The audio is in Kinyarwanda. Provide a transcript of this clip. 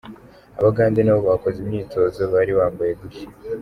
Abagande nabo bakoze imyitozo bari bambaye gutya